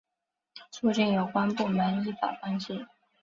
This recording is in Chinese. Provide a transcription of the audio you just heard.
促进有关部门依法办事